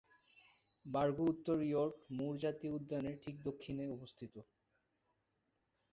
বারগু উত্তর York Moor জাতীয় উদ্যানের ঠিক দক্ষিণে অবস্থিত।